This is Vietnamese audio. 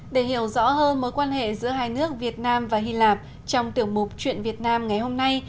để hiểu rõ hơn mối quan hệ giữa hai nước việt nam và hy lạp trong tiểu mục chuyện việt nam ngày hôm nay